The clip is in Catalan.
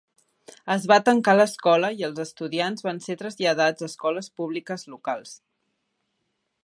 Es va tancar l'escola i els estudiants van ser traslladats a escoles públiques locals.